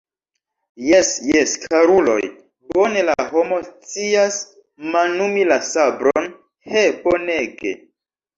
Jes, jes, karuloj, bone la homo scias manumi la sabron, he, bonege!